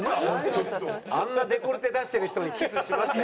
あんなデコルテ出してる人に「キスしましたよ」